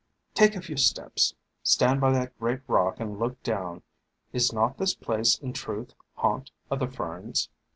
Take a few steps, stand by that great rock and look down. Is not this place in truth haunt of the Ferns